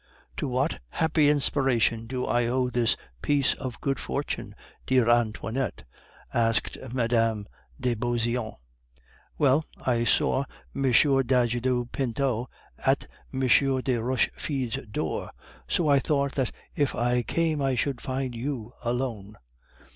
"To what happy inspiration do I owe this piece of good fortune, dear Antoinette?" asked Mme. de Beauseant. "Well, I saw M. d'Ajuda Pinto at M. de Rochefide's door, so I thought that if I came I should find you alone."